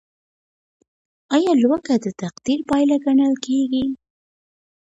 ايا لوږه د تقدير پايله ګڼل کيده؟